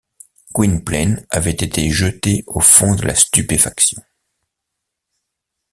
Gwynplaine avait été jeté au fond de la stupéfaction.